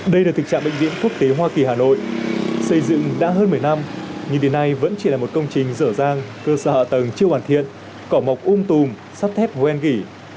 đây là tình trạng bệnh viện quốc tế hoa kỳ hà nội xây dựng đã hơn một mươi năm nhưng đến nay vẫn chỉ là một công trình rở ràng cơ sở tầng chưa hoàn thiện cỏ mọc ung tùm sắp thép hoen gỉ